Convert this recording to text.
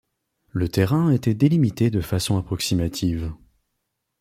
Le terrain était délimité de façon approximative.